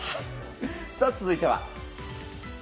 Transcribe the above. さあ、続いては。